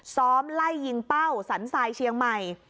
ซ้อมไล่ยิงเป้าสันทรายเชียงใหม่